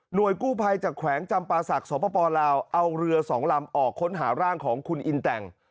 โดยกู้ภัยจากแขวงจำปาศักดิ์สปลาวเอาเรือสองลำออกค้นหาร่างของคุณอินแต่ง